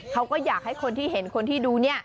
เขาก็อยากให้คนที่เห็นคนที่ดูเนี่ย